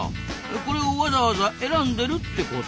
これをわざわざ選んでるってこと？